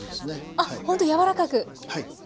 あっほんとやわらかく。